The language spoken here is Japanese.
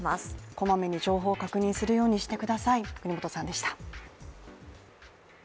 こまめに情報を確認するようにしてください。